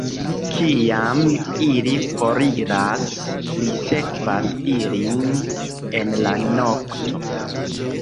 Kiam ili foriras, li sekvas ilin en la nokto.